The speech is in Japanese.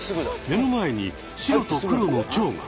目の前に白と黒のチョウが！